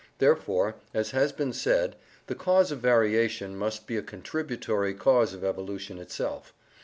Therefore, as has been said, the cause of varia tion must be a contributory cause of evolution itself.